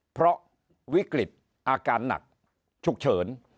เพราะวิกฤตอาการหนักฉุกเฉิน